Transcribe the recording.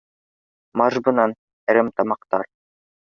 Марш бынан әремтамаҡтар!